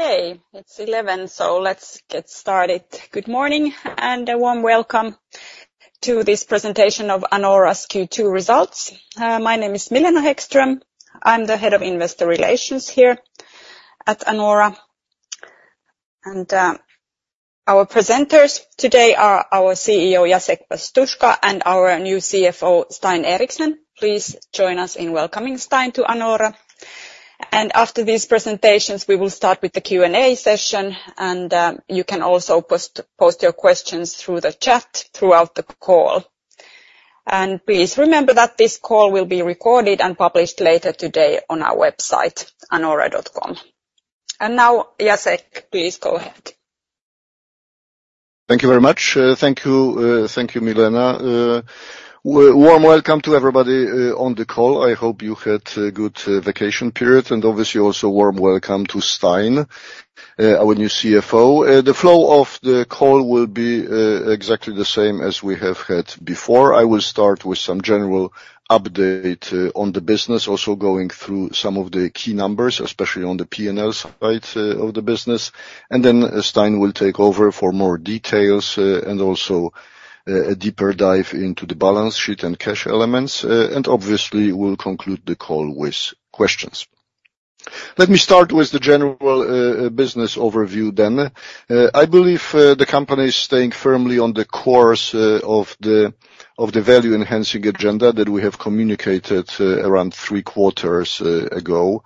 Okay, it's 11:00 A.M., so let's get started. Good morning, and a warm welcome to this presentation of Anora's Q2 results. My name is Milena Häggström. I'm the Head of Investor Relations here at Anora. Our presenters today are our CEO, Jacek Pastuszka, and our new CFO, Stein Eriksen. Please join us in welcoming Stein to Anora. After these presentations, we will start with the Q&A session, and you can also post your questions through the chat throughout the call. Please remember that this call will be recorded and published later today on our website, anora.com. Now, Jacek, please go ahead. Thank you very much. Thank you. Thank you, Milena. Warm welcome to everybody on the call. I hope you had a good vacation period, and obviously, also warm welcome to Stein, our new CFO. The flow of the call will be exactly the same as we have had before. I will start with some general update on the business, also going through some of the key numbers, especially on the P&L side of the business. And then Stein will take over for more details, and also a deeper dive into the balance sheet and cash elements. And obviously, we'll conclude the call with questions. Let me start with the general business overview then. I believe the company is staying firmly on the course of the value-enhancing agenda that we have communicated around three quarters ago.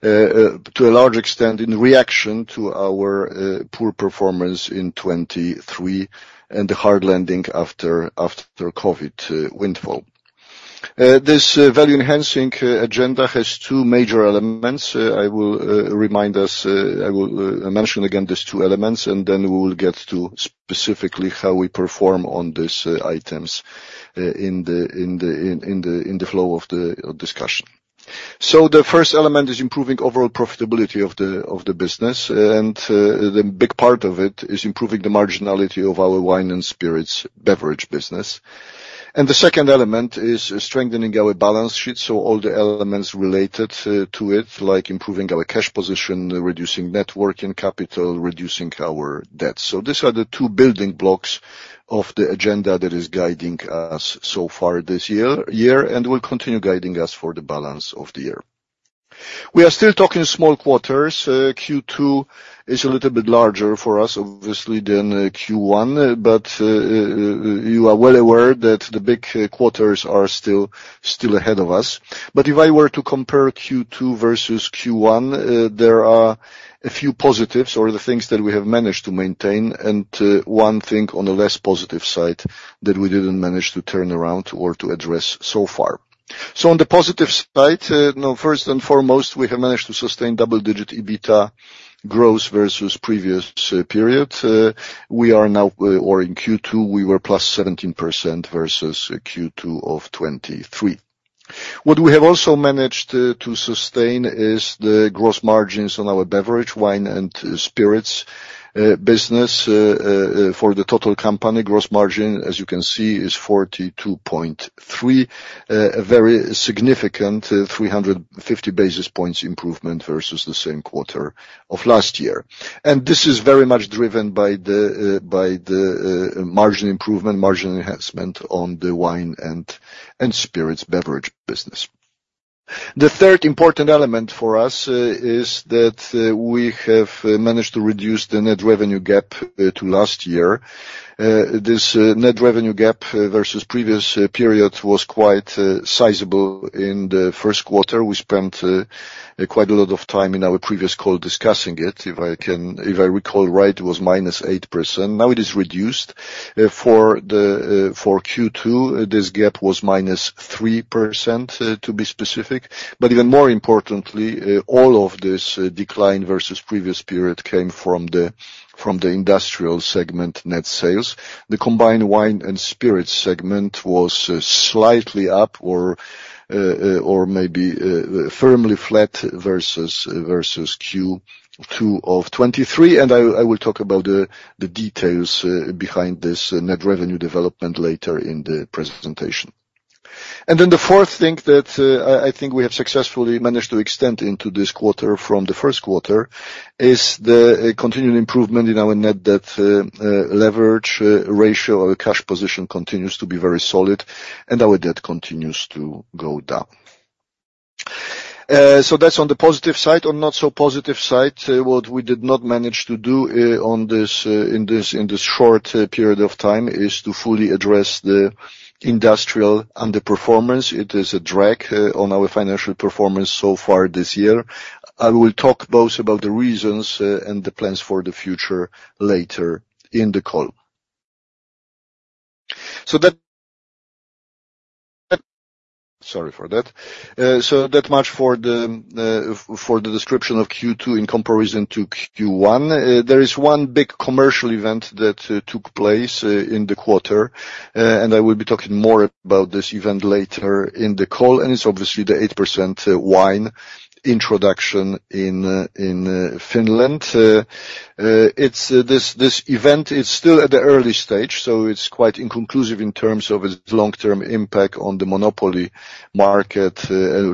To a large extent, in reaction to our poor performance in 2023 and the hard landing after COVID windfall, this value-enhancing agenda has two major elements. I will remind us. I will mention again these two elements, and then we will get to specifically how we perform on these items in the flow of the discussion, so the first element is improving overall profitability of the business, and the big part of it is improving the marginality of our wine and spirits beverage business. The second element is strengthening our balance sheet, so all the elements related to it, like improving our cash position, reducing net working capital, reducing our debt. These are the two building blocks of the agenda that is guiding us so far this year, and will continue guiding us for the balance of the year. We are still talking small quarters. Q2 is a little bit larger for us, obviously, than Q1, but you are well aware that the big quarters are still ahead of us. If I were to compare Q2 versus Q1, there are a few positives or the things that we have managed to maintain, and one thing on the less positive side that we didn't manage to turn around or to address so far. On the positive side, now, first and foremost, we have managed to sustain double-digit EBITDA growth versus previous period. We are now, or in Q2, we were plus 17% versus Q2 of 2023. What we have also managed to sustain is the gross margins on our beverage, wine, and spirits business. For the total company, gross margin, as you can see, is 42.3%. A very significant 350 basis points improvement versus the same quarter of last year, and this is very much driven by the margin improvement, margin enhancement on the wine and spirits beverage business. The third important element for us is that we have managed to reduce the net revenue gap to last year. This net revenue gap versus previous period was quite sizable in the first quarter. We spent quite a lot of time in our previous call discussing it. If I recall right, it was minus 8%. Now it is reduced. For Q2, this gap was minus 3%, to be specific. But even more importantly, all of this decline versus previous period came from the industrial segment net sales. The combined wine and spirit segment was slightly up or maybe firmly flat versus Q2 of 2023. I will talk about the details behind this net revenue development later in the presentation. And then the fourth thing that I think we have successfully managed to extend into this quarter from the first quarter is the continuing improvement in our net debt leverage ratio. Our cash position continues to be very solid, and our debt continues to go down, so that's on the positive side. On not so positive side, what we did not manage to do in this short period of time is to fully address the industrial underperformance. It is a drag on our financial performance so far this year. I will talk both about the reasons and the plans for the future later in the call. So that. Sorry for that. So that much for the description of Q2 in comparison to Q1. There is one big commercial event that took place in the quarter, and I will be talking more about this event later in the call, and it's obviously the 8% wine introduction in Finland. It's this event is still at the early stage, so it's quite inconclusive in terms of its long-term impact on the monopoly market,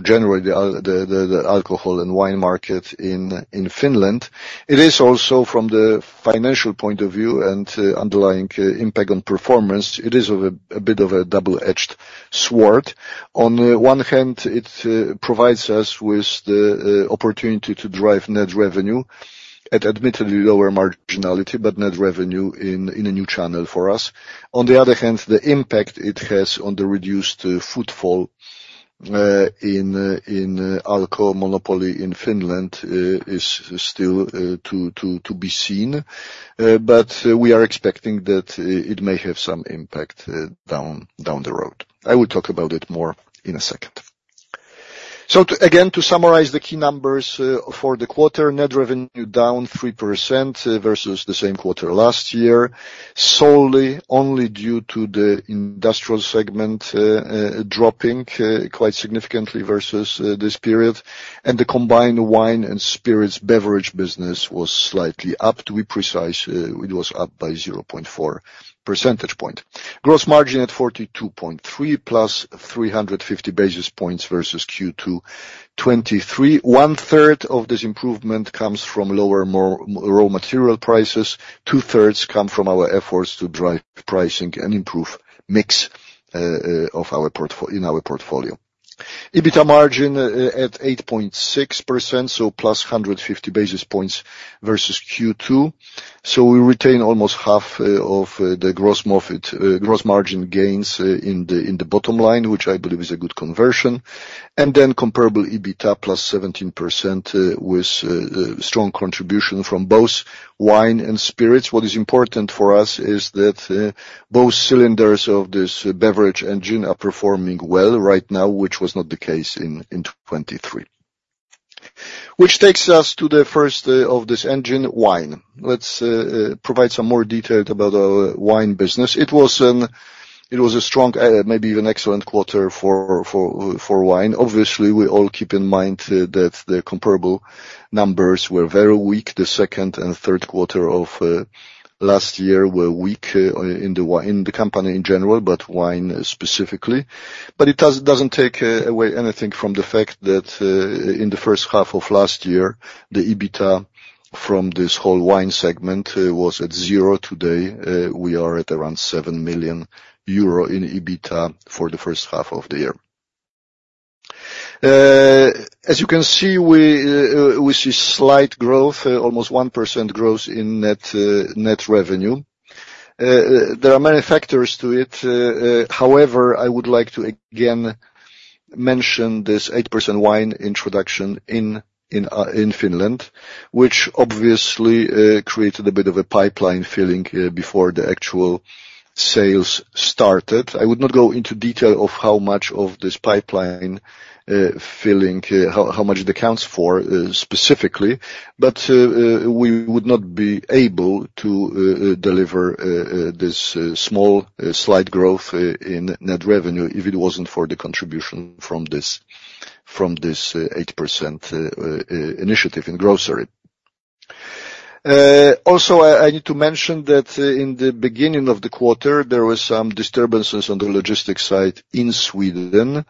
generally, the alcohol and wine market in Finland. It is also from the financial point of view and underlying impact on performance, it is of a bit of a double-edged sword. On the one hand, it provides us with the opportunity to drive net revenue at admittedly lower marginality, but net revenue in a new channel for us. On the other hand, the impact it has on the reduced footfall in the alcohol monopoly in Finland is still to be seen. But we are expecting that it may have some impact down the road. I will talk about it more in a second. So to again, to summarize the key numbers for the quarter: net revenue down 3% versus the same quarter last year, solely only due to the industrial segment dropping quite significantly versus this period. And the combined wine and spirits beverage business was slightly up. To be precise, it was up by 0.4 percentage point. Gross margin at 42.3%, plus 350 basis points versus Q2 2023. One-third of this improvement comes from lower raw material prices. Two-thirds come from our efforts to drive pricing and improve mix of our portfolio. EBITDA margin at 8.6%, so plus 150 basis points versus Q2. So we retain almost half of the gross margin gains in the bottom line, which I believe is a good conversion. And then comparable EBITDA plus 17% with strong contribution from both wine and spirits. What is important for us is that both cylinders of this beverage engine are performing well right now, which was not the case in 2023. Which takes us to the first of this engine, wine. Let's provide some more detail about our wine business. It was a strong, maybe even excellent quarter for wine. Obviously, we all keep in mind that the comparable numbers were very weak. The second and third quarter of last year were weak in the company in general, but wine specifically. But it doesn't take away anything from the fact that in the first half of last year, the EBITDA from this whole wine segment was at zero. Today we are at around 7 million euro in EBITDA for the first half of the year. As you can see, we see slight growth, almost 1% growth in net revenue. There are many factors to it, however, I would like to again mention this 8% wine introduction in Finland, which obviously created a bit of a pipeline filling before the actual sales started. I would not go into detail of how much of this pipeline filling how much it accounts for, specifically, but we would not be able to deliver this small slight growth in net revenue if it wasn't for the contribution from this from this 8% initiative in grocery. Also, I need to mention that in the beginning of the quarter, there was some disturbances on the logistics side in Sweden.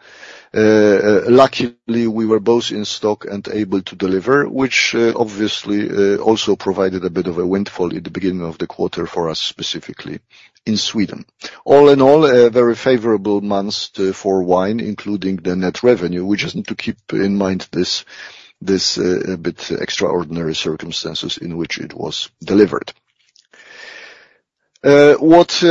Luckily, we were both in stock and able to deliver, which obviously also provided a bit of a windfall at the beginning of the quarter for us, specifically in Sweden. All in all, a very favorable months for wine, including the net revenue. We just need to keep in mind this bit extraordinary circumstances in which it was delivered. What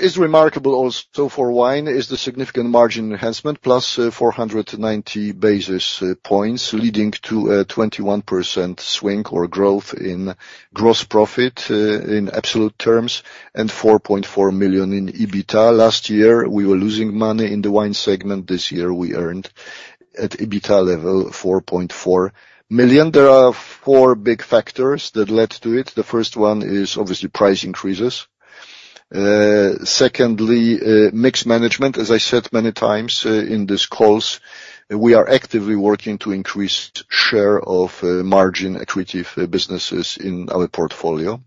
is remarkable also for wine is the significant margin enhancement, plus 490 basis points, leading to a 21% swing or growth in gross profit in absolute terms, and 4.4 million in EBITDA. Last year, we were losing money in the wine segment. This year, we earned at EBITDA level 4.4 million. There are four big factors that led to it. The first one is obviously price increases. Secondly, mix management. As I said many times, in these calls, we are actively working to increase share of, margin accretive businesses in our portfolio,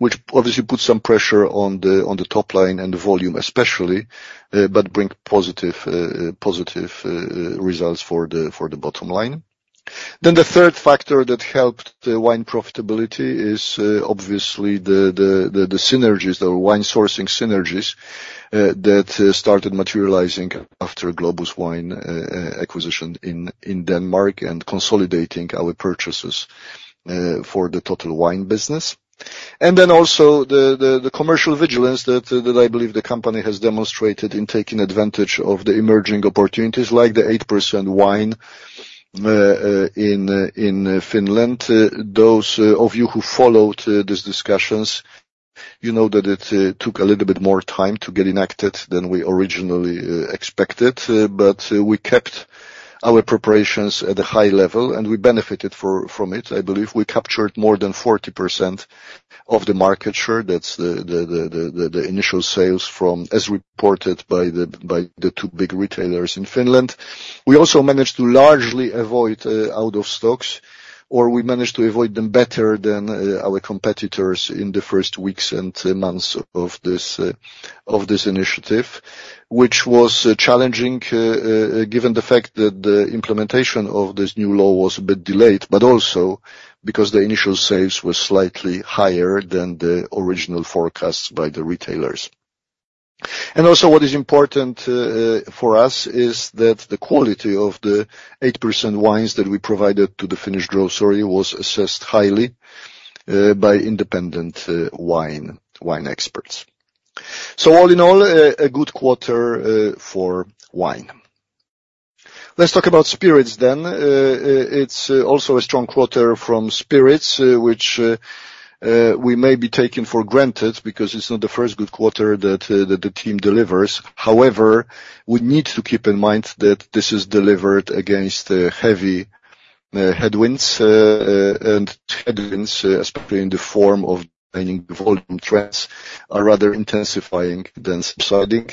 which obviously puts some pressure on the, on the top line and the volume especially, but bring positive results for the bottom line. Then the third factor that helped the wine profitability is, obviously the synergies, the wine sourcing synergies, that started materializing after Globus Wine acquisition in Denmark, and consolidating our purchases for the total wine business. And then also the commercial vigilance that I believe the company has demonstrated in taking advantage of the emerging opportunities, like the 8% wine in Finland. Those of you who followed these discussions, you know that it took a little bit more time to get enacted than we originally expected, but we kept our preparations at a high level, and we benefited from it. I believe we captured more than 40% of the market share. That's the initial sales, as reported by the two big retailers in Finland. We also managed to largely avoid out-of-stocks, or we managed to avoid them better than our competitors in the first weeks and months of this initiative, which was challenging given the fact that the implementation of this new law was a bit delayed, but also because the initial sales were slightly higher than the original forecasts by the retailers, and also what is important for us is that the quality of the 8% wines that we provided to the Finnish grocery was assessed highly by independent wine experts. So all in all, a good quarter for wine. Let's talk about spirits then. It's also a strong quarter from spirits, which we may be taking for granted, because it's not the first good quarter that the team delivers. However, we need to keep in mind that this is delivered against heavy headwinds, and headwinds, especially in the form of maintaining volume trends, are rather intensifying than subsiding.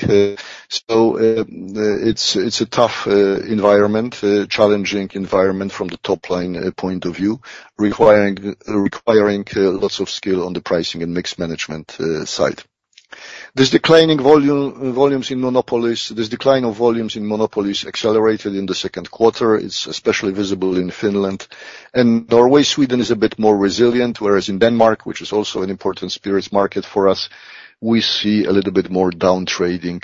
So, it's a tough environment, challenging environment from the top-line point of view, requiring lots of skill on the pricing and mix management side. This decline of volumes in monopolies accelerated in the second quarter. It's especially visible in Finland and Norway. Sweden is a bit more resilient, whereas in Denmark, which is also an important spirits market for us, we see a little bit more down trading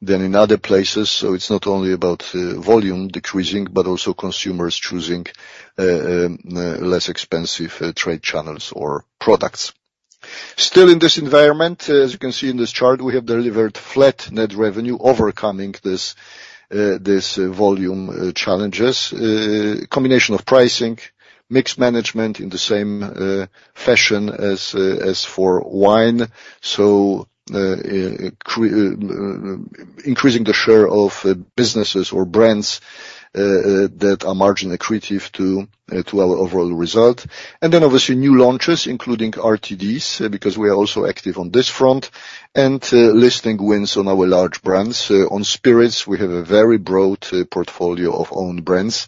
than in other places. So it's not only about volume decreasing, but also consumers choosing less expensive trade channels or products. Still, in this environment, as you can see in this chart, we have delivered flat net revenue, overcoming this volume challenges. A combination of pricing, mix management in the same fashion as for wine, so increasing the share of businesses or brands that are margin accretive to our overall result, and then, obviously, new launches, including RTDs, because we are also active on this front, and listing wins on our large brands. On spirits, we have a very broad portfolio of own brands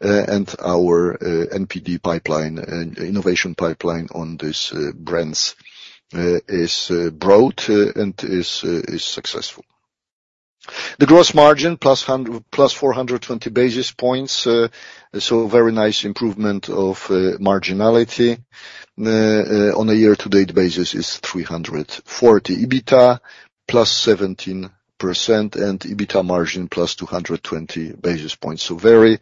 and our NPD pipeline and innovation pipeline on these brands is broad and is successful. The gross margin plus four hundred and twenty basis points, so a very nice improvement of marginality. On a year-to-date basis is three hundred and forty. EBITDA plus 17% and EBITDA margin plus two hundred and twenty basis points. So very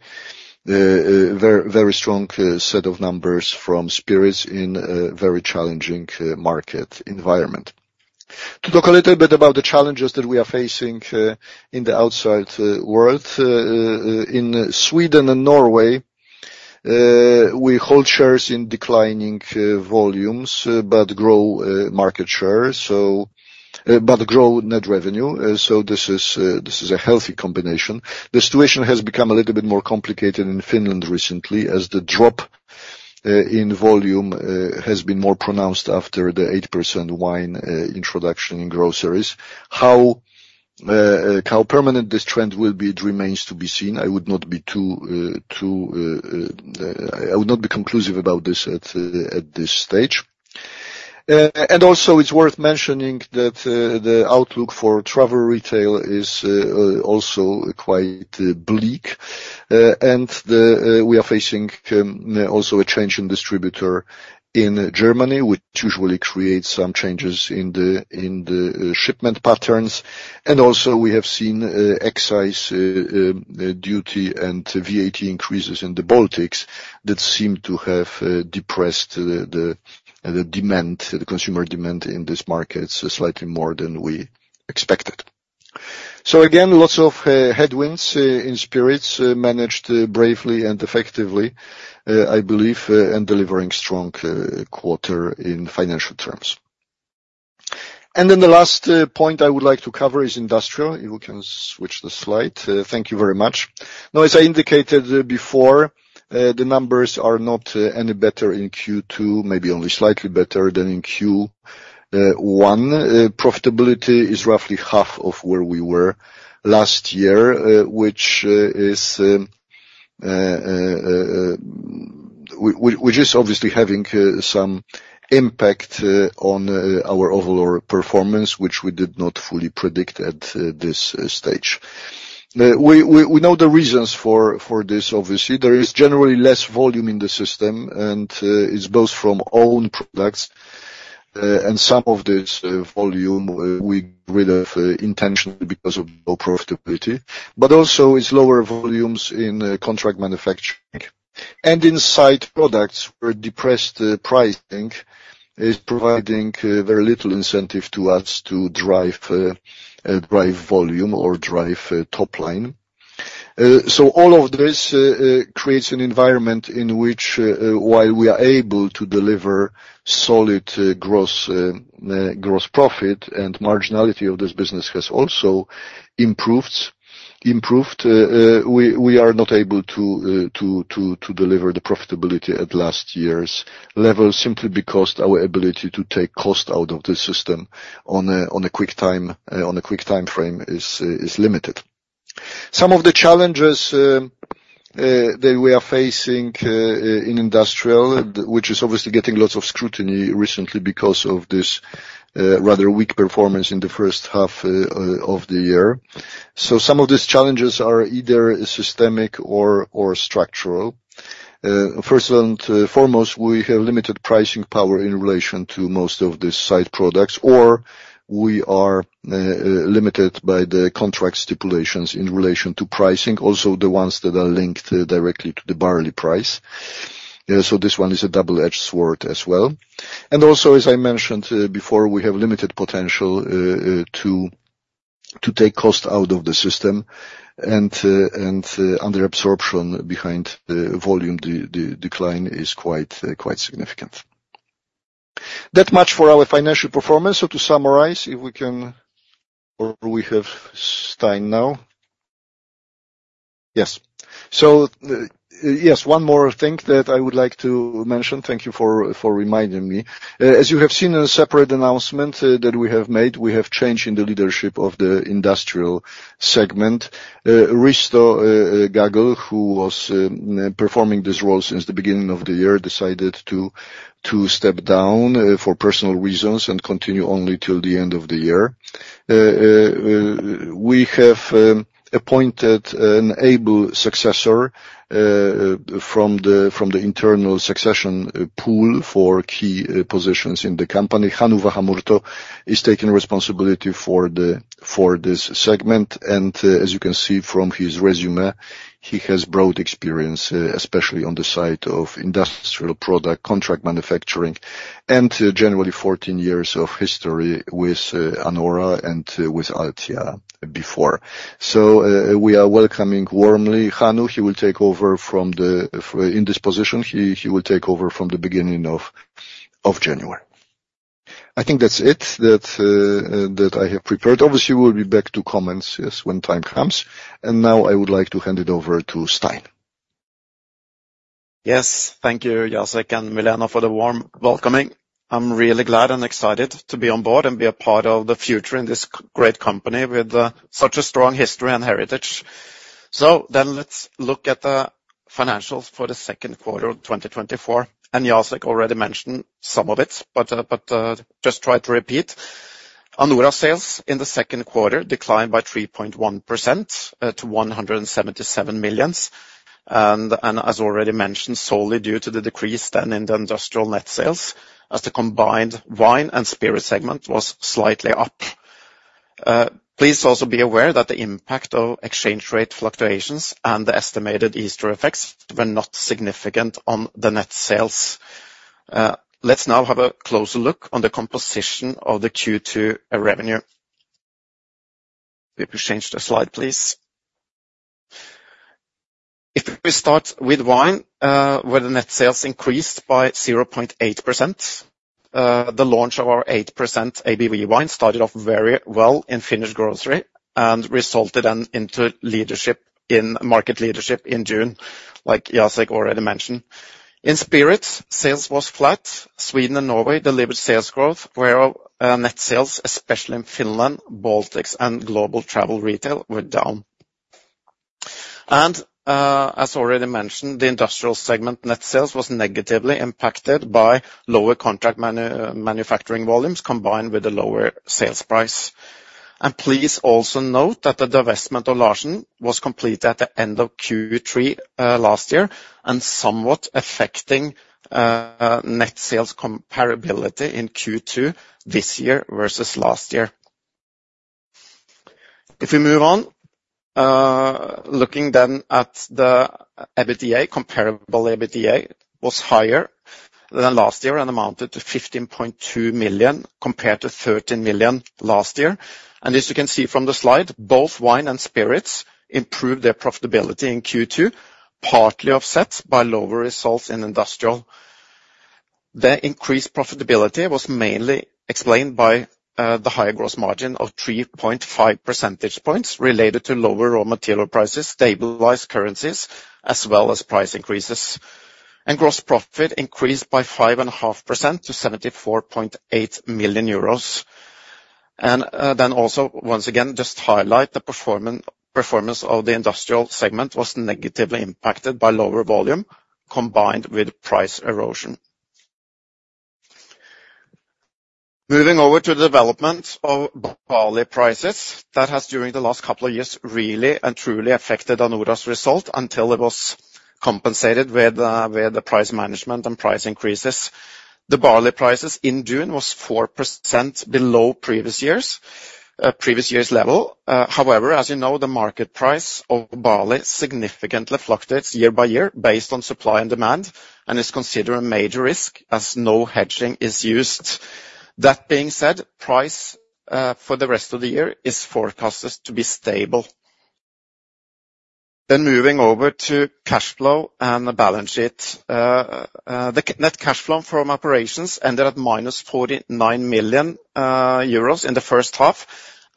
very strong set of numbers from spirits in a very challenging market environment. To talk a little bit about the challenges that we are facing in the outside world. In Sweden and Norway, we hold shares in declining volumes but grow market share but grow net revenue, so this is a healthy combination. The situation has become a little bit more complicated in Finland recently, as the drop in volume has been more pronounced after the 8% wine introduction in groceries. How permanent this trend will be, it remains to be seen. I would not be too conclusive about this at this stage. And also, it's worth mentioning that the outlook for travel retail is also quite bleak, and we are facing also a change in distributor in Germany, which usually creates some changes in the shipment patterns. And also we have seen excise duty and VAT increases in the Baltics that seem to have depressed the consumer demand in these markets slightly more than we expected. Again, lots of headwinds in spirits managed bravely and effectively, I believe, and delivering a strong quarter in financial terms. The last point I would like to cover is industrial. You can switch the slide. Thank you very much. Now, as I indicated before, the numbers are not any better in Q2, maybe only slightly better than in Q1. Profitability is roughly half of where we were last year, which is obviously having some impact on our overall performance, which we did not fully predict at this stage. We know the reasons for this obviously. There is generally less volume in the system, and it's both from own products and some of this volume we rid of intentionally because of low profitability, but also it's lower volumes in contract manufacturing and in side products, where depressed pricing is providing very little incentive to us to drive volume or drive top line. So all of this creates an environment in which, while we are able to deliver solid gross profit and marginality of this business has also improved, we are not able to deliver the profitability at last year's level simply because our ability to take cost out of the system on a quick time frame is limited. Some of the challenges that we are facing in industrial, which is obviously getting lots of scrutiny recently because of this rather weak performance in the first half of the year. So some of these challenges are either systemic or structural. First and foremost, we have limited pricing power in relation to most of the side products, or we are limited by the contract stipulations in relation to pricing, also the ones that are linked directly to the barley price. So this one is a double-edged sword as well. And also, as I mentioned before, we have limited potential to take cost out of the system, and under absorption behind the volume decline is quite significant. That much for our financial performance. So to summarize, if we can, or we have Stein now. Yes. So, yes, one more thing that I would like to mention, thank you for reminding me. As you have seen in a separate announcement that we have made, we have change in the leadership of the industrial segment. Risto Gaggl, who was performing this role since the beginning of the year, decided to step down for personal reasons and continue only till the end of the year. We have appointed an able successor from the internal succession pool for key positions in the company. Hannu Tuominen is taking responsibility for this segment, and as you can see from his resume, he has broad experience, especially on the side of industrial product, contract manufacturing, and generally, fourteen years of history with Anora and with Altia before. So we are welcoming warmly, Hannu. He will take over from the beginning of January in this position. I think that's it that I have prepared. Obviously, we'll be back to comments, yes, when time comes, and now I would like to hand it over to Stein. Yes, thank you, Jacek and Milena, for the warm welcome. I'm really glad and excited to be on board and be a part of the future in this great company with such a strong history and heritage. So then let's look at the financials for the second quarter of 2024. And Jacek already mentioned some of it, but just try to repeat. Anora sales in the second quarter declined by 3.1% to 177 million. And as already mentioned, solely due to the decrease then in the industrial net sales, as the combined wine and spirit segment was slightly up. Please also be aware that the impact of exchange rate fluctuations and the estimated Easter effects were not significant on the net sales. Let's now have a closer look on the composition of the Q2 revenue. If we change the slide, please. If we start with wine, where the net sales increased by 0.8%. The launch of our 8% ABV wine started off very well in Finnish grocery, and resulted in, into leadership, in market leadership in June, like Jacek already mentioned. In spirits, sales was flat. Sweden and Norway delivered sales growth, where net sales, especially in Finland, Baltics, and global travel retail, were down, and as already mentioned, the industrial segment net sales was negatively impacted by lower contract manufacturing volumes, combined with a lower sales price, and please also note that the divestment of Larsen was completed at the end of Q3 last year, and somewhat affecting net sales comparability in Q2 this year versus last year. If we move on, looking then at the EBITDA, comparable EBITDA was higher than last year and amounted to 15.2 million, compared to 13 million last year, and as you can see from the slide, both wine and spirits improved their profitability in Q2, partly offset by lower results in industrial. The increased profitability was mainly explained by the higher gross margin of 3.5 percentage points related to lower raw material prices, stabilized currencies, as well as price increases, and gross profit increased by 5.5% to 74.8 million euros. Then also, once again, just highlight the performance of the industrial segment was negatively impacted by lower volume, combined with price erosion. Moving over to the development of barley prices, that has, during the last couple of years, really and truly affected Anora's result, until it was compensated with the price management and price increases. The barley prices in June was 4% below previous years, previous year's level. However, as you know, the market price of barley significantly fluctuates year by year based on supply and demand, and is considered a major risk as no hedging is used. That being said, price for the rest of the year is forecasted to be stable. Then moving over to cash flow and the balance sheet. The net cash flow from operations ended at -49 million euros in the first half,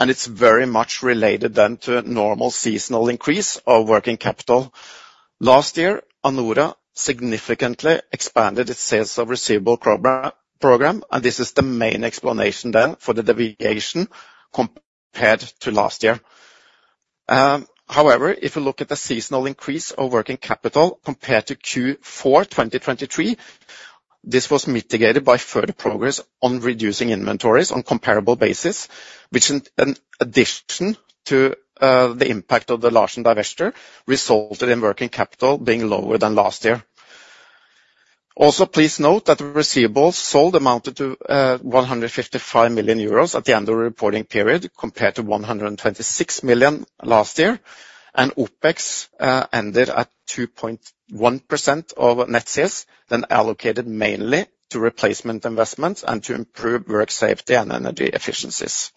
and it's very much related then to a normal seasonal increase of working capital. Last year, Anora significantly expanded its sales of receivables program, and this is the main explanation then for the deviation compared to last year. However, if you look at the seasonal increase of working capital compared to Q4 2023. This was mitigated by further progress on reducing inventories on comparable basis, which in addition to the impact of the Larsen divestiture, resulted in working capital being lower than last year. Also, please note that the receivables sold amounted to 155 million euros at the end of the reporting period, compared to 126 million last year. OpEx ended at 2.1% of net sales, then allocated mainly to replacement investments and to improve work safety and energy efficiencies.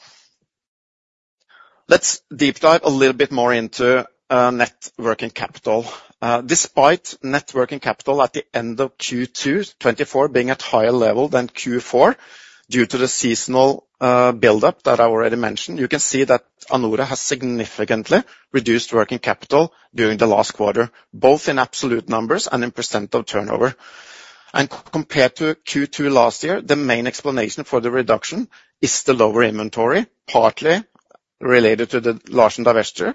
Let's deep dive a little bit more into net working capital. Despite net working capital at the end of Q2 2024 being at higher level than Q4, due to the seasonal buildup that I already mentioned, you can see that Anora has significantly reduced working capital during the last quarter, both in absolute numbers and in percent of turnover. And compared to Q2 last year, the main explanation for the reduction is the lower inventory, partly related to the Larsen divestiture,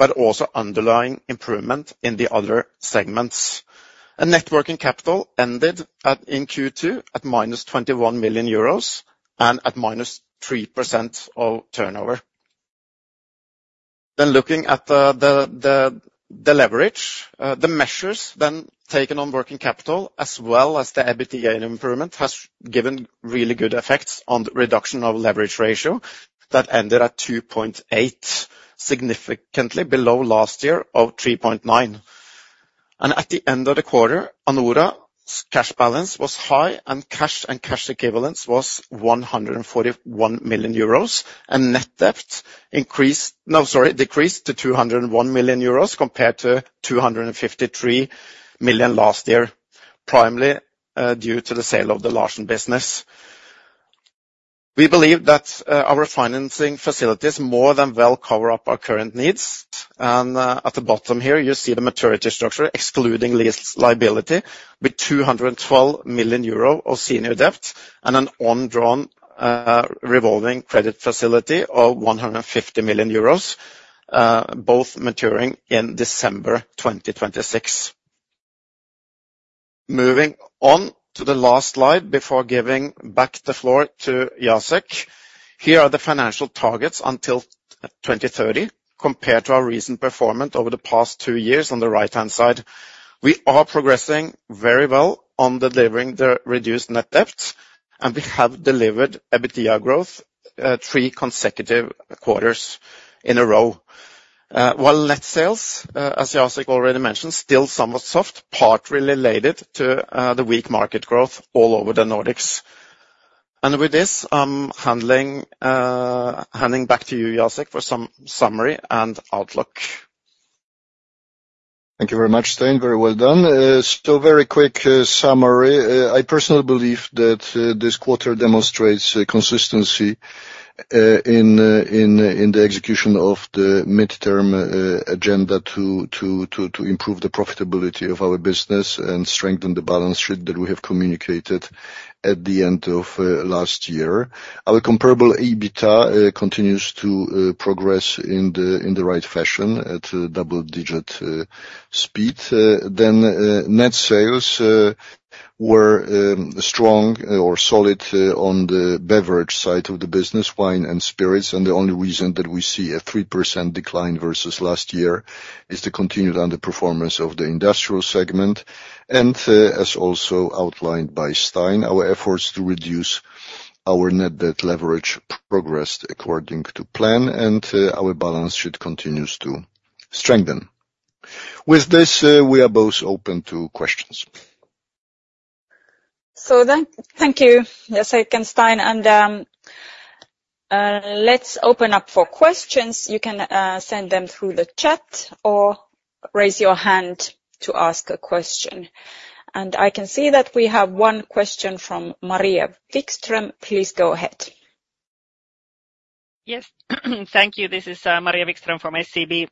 but also underlying improvement in the other segments. And net working capital ended at, in Q2, at -21 million euros and at -3% of turnover. Then looking at the leverage, the measures then taken on working capital, as well as the EBITDA improvement, has given really good effects on the reduction of leverage ratio that ended at 2.8, significantly below last year of 3.9. At the end of the quarter, Anora's cash balance was high, and cash and cash equivalents was 141 million euros, and net debt increased... No, sorry, decreased to 201 million euros compared to 253 million last year, primarily due to the sale of the Larsen business. We believe that our refinancing facilities more than well cover up our current needs. At the bottom here, you see the maturity structure, excluding lease liability, with 212 million euro of senior debt and an undrawn revolving credit facility of 150 million euros, both maturing in December 2026. Moving on to the last slide before giving back the floor to Jacek. Here are the financial targets until 2030, compared to our recent performance over the past two years on the right-hand side. We are progressing very well on delivering the reduced net debt, and we have delivered EBITDA growth three consecutive quarters in a row. While net sales, as Jacek already mentioned, still somewhat soft, partly related to the weak market growth all over the Nordics. With this, I'm handing back to you, Jacek, for some summary and outlook. Thank you very much, Stein. Very well done. So very quick summary. I personally believe that this quarter demonstrates consistency in the execution of the midterm agenda to improve the profitability of our business and strengthen the balance sheet that we have communicated at the end of last year. Our comparable EBITDA continues to progress in the right fashion at a double digit speed. Then net sales were strong or solid on the beverage side of the business, wine and spirits. The only reason that we see a 3% decline versus last year is the continued underperformance of the industrial segment. And, as also outlined by Stein, our efforts to reduce our net debt leverage progressed according to plan, and our balance sheet continues to strengthen. With this, we are both open to questions. Thank you, Jacek and Stein, and let's open up for questions. You can send them through the chat or raise your hand to ask a question. I can see that we have one question from Maria Wikström. Please go ahead. Yes, thank you. This is Maria Wikström from SEB.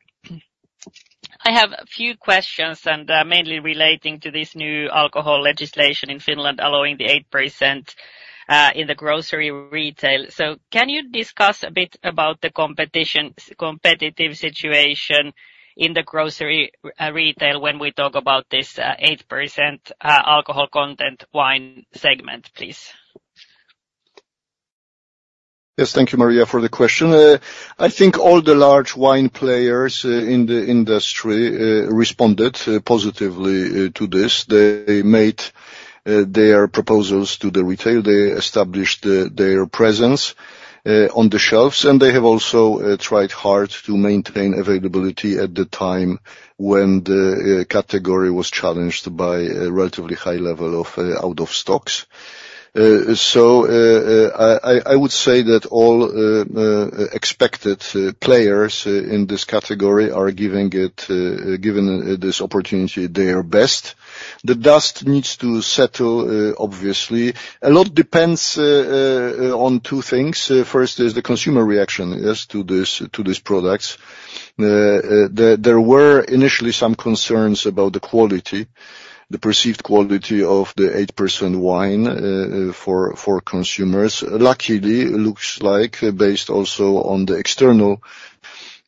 I have a few questions, and mainly relating to this new alcohol legislation in Finland, allowing the 8% in the grocery retail. So can you discuss a bit about the competitive situation in the grocery retail when we talk about this 8% alcohol content wine segment, please? Yes, thank you, Maria, for the question. I think all the large wine players in the industry responded positively to this. They made their proposals to the retail. They established their presence on the shelves, and they have also tried hard to maintain availability at the time when the category was challenged by a relatively high level of out of stocks. So, I would say that all expected players in this category are giving it their best given this opportunity. The dust needs to settle, obviously. A lot depends on two things. First is the consumer reaction, yes, to this, to these products. There were initially some concerns about the quality, the perceived quality of the 8% wine, for consumers. Luckily, looks like, based also on the external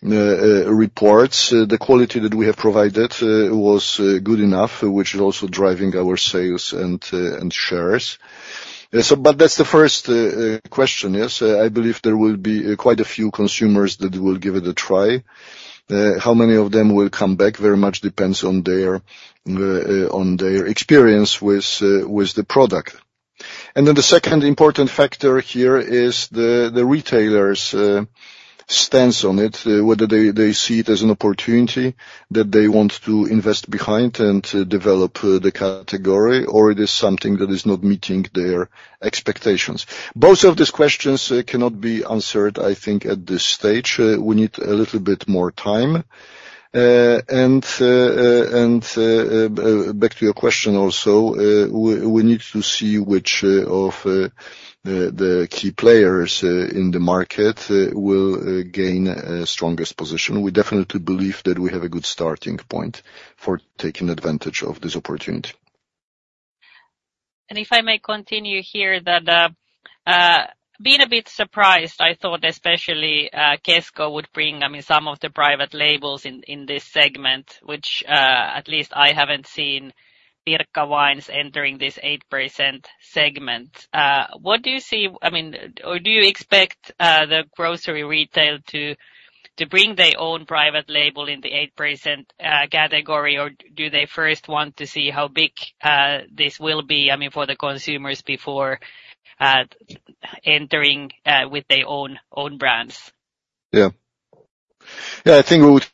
reports. The quality that we have provided was good enough, which is also driving our sales and shares. So but that's the first question, yes? I believe there will be quite a few consumers that will give it a try. How many of them will come back very much depends on their experience with the product. Then the second important factor here is the retailers' stance on it, whether they see it as an opportunity that they want to invest behind and to develop the category, or it is something that is not meeting their expectations. Both of these questions cannot be answered, I think, at this stage. We need a little bit more time and back to your question also, we need to see which of the key players in the market will gain strongest position. We definitely believe that we have a good starting point for taking advantage of this opportunity. If I may continue here, being a bit surprised, I thought especially Kesko would bring, I mean, some of the private labels in this segment, which at least I haven't seen Pirkka wines entering this 8% segment. What do you see- I mean, or do you expect the grocery retail to bring their own private label in the 8% category, or do they first want to see how big this will be, I mean, for the consumers, before entering with their own brands? Yeah. Yeah, I think we would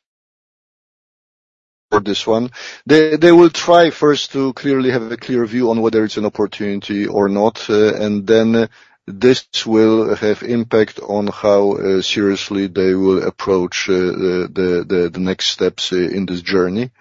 for this one. They will try first to clearly have a clear view on whether it's an opportunity or not, and then this will have impact on how seriously they will approach the next steps in this journey.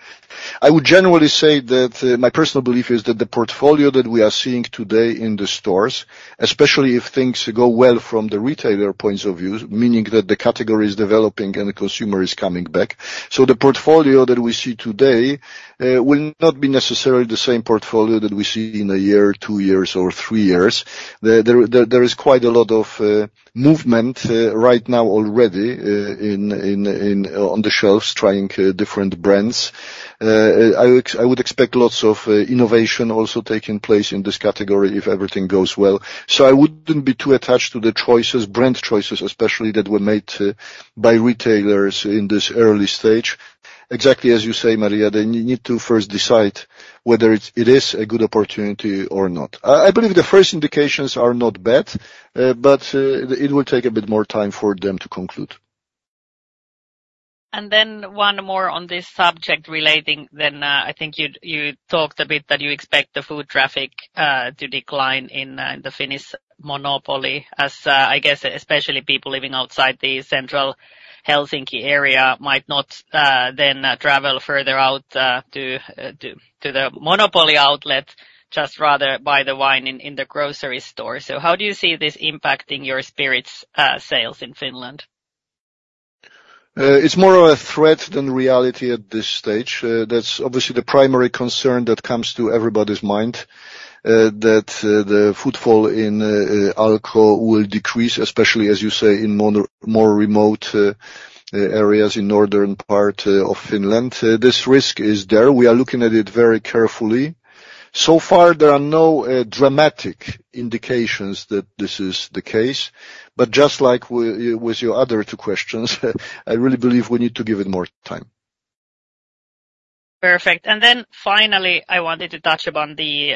I would generally say that my personal belief is that the portfolio that we are seeing today in the stores, especially if things go well from the retailer points of view, meaning that the category is developing and the consumer is coming back, so the portfolio that we see today will not be necessarily the same portfolio that we see in a year, two years, or three years. There is quite a lot of movement right now already in on the shelves, trying different brands. I would expect lots of innovation also taking place in this category if everything goes well. So I wouldn't be too attached to the choices, brand choices especially, that were made by retailers in this early stage. Exactly as you say, Maria, they need to first decide whether it is a good opportunity or not. I believe the first indications are not bad, but it will take a bit more time for them to conclude. One more on this subject, relating then, I think you talked a bit that you expect the foot traffic to decline in the Finnish monopoly. As I guess, especially people living outside the central Helsinki area might not then travel further out to the monopoly outlet, just rather buy the wine in the grocery store. How do you see this impacting your spirits sales in Finland? It's more of a threat than reality at this stage. That's obviously the primary concern that comes to everybody's mind, that the footfall in Alko will decrease, especially, as you say, in more remote areas in northern part of Finland. This risk is there. We are looking at it very carefully. So far, there are no dramatic indications that this is the case, but just like with your other two questions, I really believe we need to give it more time. Perfect. And then finally, I wanted to touch upon the,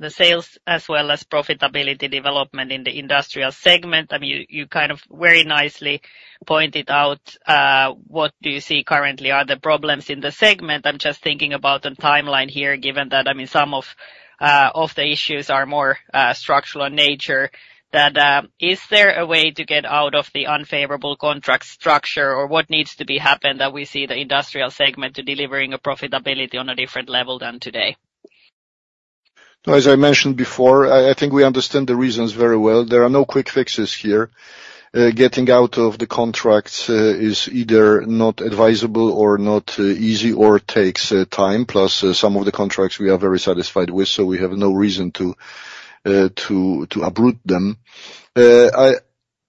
the sales as well as profitability development in the industrial segment. I mean, you, you kind of very nicely pointed out, what do you see currently are the problems in the segment. I'm just thinking about the timeline here, given that, I mean, some of, of the issues are more, structural in nature. That, is there a way to get out of the unfavorable contract structure, or what needs to be happened that we see the industrial segment to delivering a profitability on a different level than today? As I mentioned before, I think we understand the reasons very well. There are no quick fixes here. Getting out of the contracts is either not advisable or not easy or takes time. Plus, some of the contracts we are very satisfied with, so we have no reason to uproot them.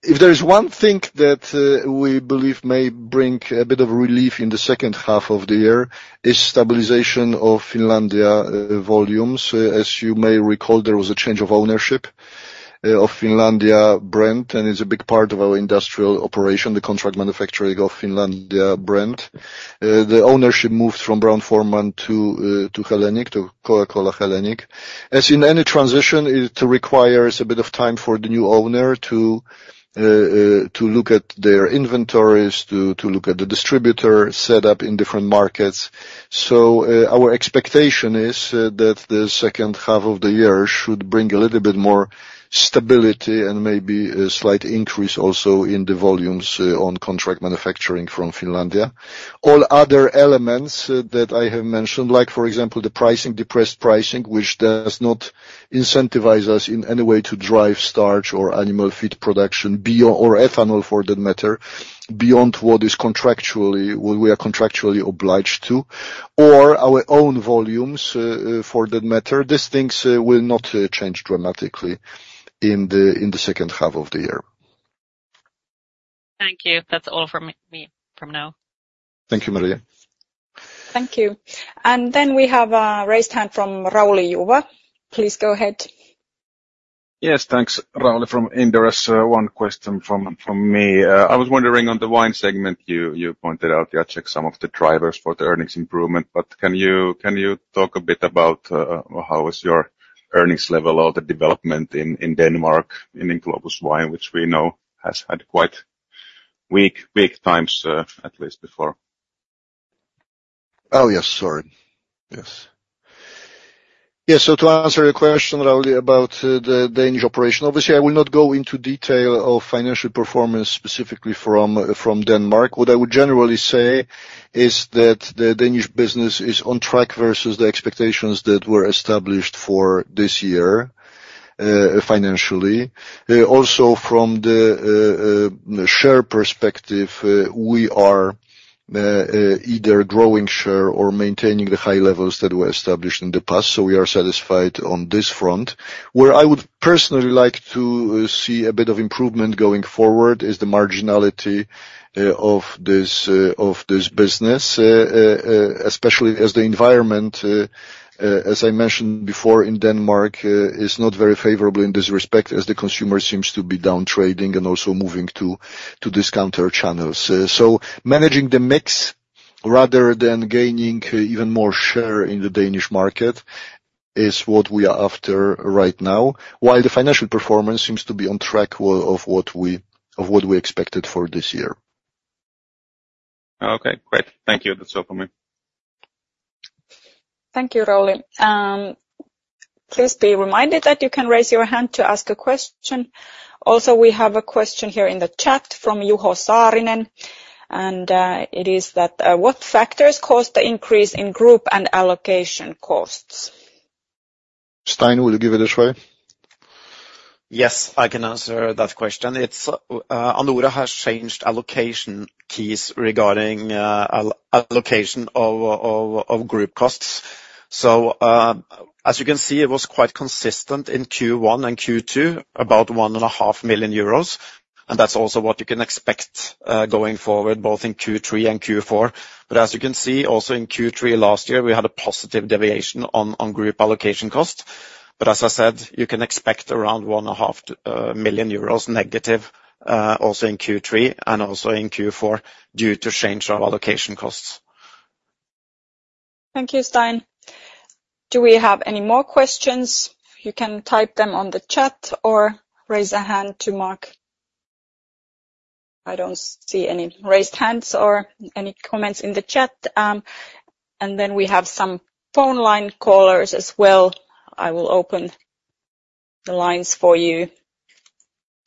If there is one thing that we believe may bring a bit of relief in the second half of the year, is stabilization of Finlandia volumes. As you may recall, there was a change of ownership of Finlandia brand, and it's a big part of our industrial operation, the contract manufacturing of Finlandia brand. The ownership moved from Brown-Forman to Hellenic to Coca-Cola Hellenic. As in any transition, it requires a bit of time for the new owner to look at their inventories, to look at the distributor setup in different markets, so our expectation is that the second half of the year should bring a little bit more stability and maybe a slight increase also in the volumes on contract manufacturing from Finlandia. All other elements that I have mentioned, like for example, the pricing, depressed pricing, which does not incentivize us in any way to drive starch or animal feed production beyond or ethanol, for that matter, beyond what we are contractually obliged to, or our own volumes, for that matter, these things will not change dramatically in the second half of the year. Thank you. That's all from me for now. Thank you, Maria. Thank you. And then we have a raised hand from Rauli Juva. Please go ahead. Yes, thanks. Rauli from Inderes. One question from me. I was wondering on the wine segment, you pointed out, Jacek, some of the drivers for the earnings improvement, but can you talk a bit about how is your earnings level or the development in Denmark, in Globus Wine, which we know has had quite weak times, at least before? Oh, yes, sorry. Yes. Yes, so to answer your question, Rauli, about the Danish operation, obviously, I will not go into detail of financial performance specifically from Denmark. What I would generally say is that the Danish business is on track versus the expectations that were established for this year, financially. Also from the share perspective, we are either growing share or maintaining the high levels that were established in the past, so we are satisfied on this front. Where I would personally like to see a bit of improvement going forward is the marginality of this business, especially as the environment, as I mentioned before, in Denmark, is not very favorable in this respect, as the consumer seems to be down trading and also moving to discounter channels. So managing the mix, rather than gaining even more share in the Danish market, is what we are after right now, while the financial performance seems to be on track of what we expected for this year. Okay, great. Thank you. That's all for me. Thank you, Rauli. Please be reminded that you can raise your hand to ask a question. Also, we have a question here in the chat from Juho Saarinen, and it is that: "What factors caused the increase in group and allocation costs? Stein, will you give it a try? Yes, I can answer that question. It's Anora has changed allocation keys regarding allocation of group costs. As you can see, it was quite consistent in Q1 and Q2, about 1.5 million euros, and that's also what you can expect going forward, both in Q3 and Q4. But as you can see, also in Q3 last year, we had a positive deviation on group allocation cost. As I said, you can expect around 1.5 million euros negative, also in Q3 and also in Q4, due to change of allocation costs. Thank you, Stein. Do we have any more questions? You can type them on the chat or raise a hand to Mark. I don't see any raised hands or any comments in the chat, and then we have some phone line callers as well. I will open the lines for you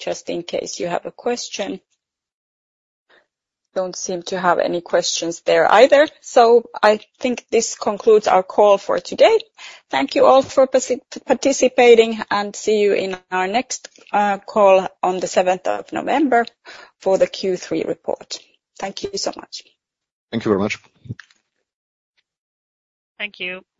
just in case you have a question. Don't seem to have any questions there either, so I think this concludes our call for today. Thank you all for participating, and see you in our next call on the 7th of November for the Q3 report. Thank you so much. Thank you very much. Thank you.